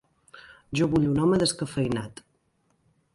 Jo vull un home descafeïnat.